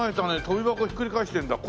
跳び箱をひっくり返してんだ。